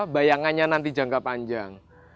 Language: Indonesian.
bayangannya nanti jangka panjang